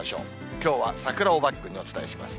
きょうは桜をバックにお伝えします。